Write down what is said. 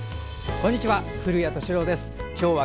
こんにちは。